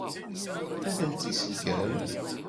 Ad tent-iseggem?